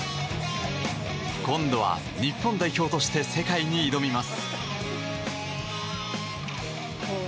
今度は日本代表として世界に挑みます。